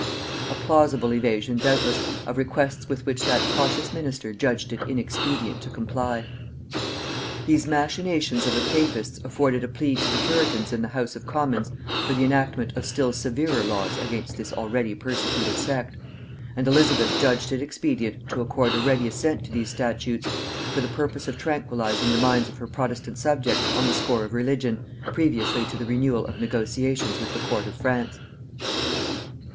A plausible evasion, doubtless, of requests with which that cautious minister judged it inexpedient to comply. [Note 88: "Complete Gentleman," by H. Peacham.] These machinations of the papists afforded a plea to the puritans in the house of commons for the enactment of still severer laws against this already persecuted sect; and Elizabeth judged it expedient to accord a ready assent to these statutes, for the purpose of tranquillizing the minds of her protestant subjects on the score of religion, previously to the renewal of negotiations with the court of France.